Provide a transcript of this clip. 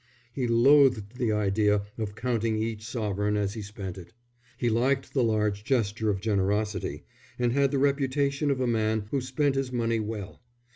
He loathed the idea of counting each sovereign as he spent it. He liked the large gesture of generosity, and had the reputation of a man who spent his money well.